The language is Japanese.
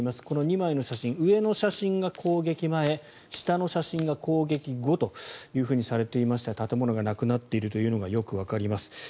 この２枚の写真上の写真が攻撃前下の写真が攻撃後とされていまして建物がなくなっているというのがよくわかります。